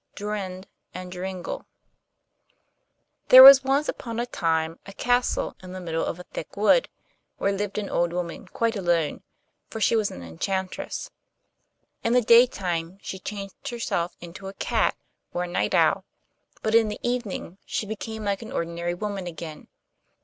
JORINDE AND JORINGEL There was once upon a time a castle in the middle of a thick wood where lived an old woman quite alone, for she was an enchantress. In the day time she changed herself into a cat or a night owl, but in the evening she became like an ordinary woman again.